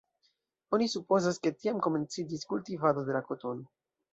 Oni supozas, ke tiam komenciĝis kultivado de la kotono.